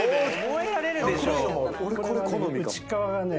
内っ側がね